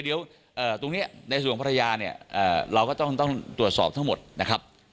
เดี๋ยววันนี้ในส่วนภรยาเราต้องตรวจสอบทั้งหมดนะครับ